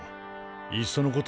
いっそのこと